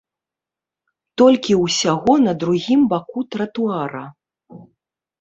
Толькі ўсяго на другім баку тратуара.